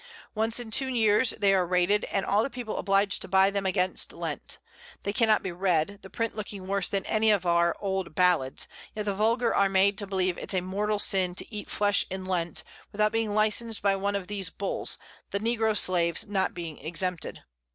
Once in two Years they are rated, and all the People obliged to buy them against Lent; they cannot be read, the Print looking worse than any of our old Ballads, yet the Vulgar are made believe it's a mortal Sin to eat Flesh in Lent, without being licensed by one of these Bulls, the Negro Slaves not being exempted.